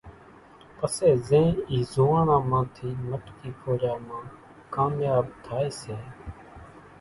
پسي زين اِي زوئاڻان مان ٿي مٽڪي ڦوڙيا مان ڪامياٻ ٿائي سي ۔